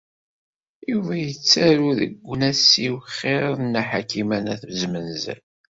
Yuba yettaru deg unasiw xir n Nna Ḥakima n At Zmenzer.